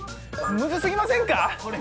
ムズすぎませんか？